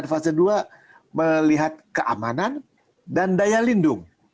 ketika vaksin tersebut dihasilkan vaksin tersebut dihasilkan dengan keamanan dan daya lindung